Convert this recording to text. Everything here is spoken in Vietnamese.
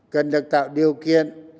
cần được tạo điều kiện